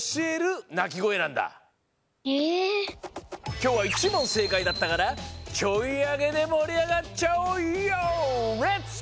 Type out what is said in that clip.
きょうは１もんせいかいだったからちょいアゲでもりあがっちゃおうＹＯ！